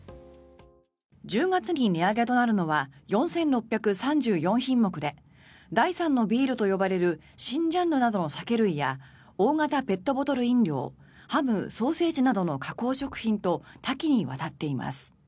１０月に値上げとなるのは４６３４品目で第３のビールと呼ばれる新ジャンルなどの酒類や大型ペットボトル飲料ハム・ソーセージなどの加工食品と多岐にわたっています。